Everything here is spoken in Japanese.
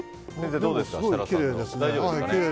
すごいきれいですね。